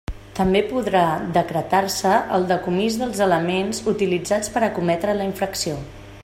També podrà decretar-se el decomís dels elements utilitzats per a cometre la infracció.